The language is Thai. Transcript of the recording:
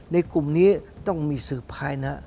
ในกลุ่มนี้ต้องมีสืบภายนะ